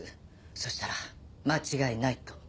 そしたら間違いないと。